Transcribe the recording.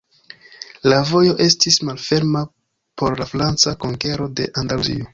La vojo estis malferma por la franca konkero de Andaluzio.